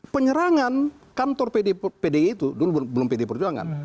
penyerangan kantor pdi itu dulu belum pdi perjuangan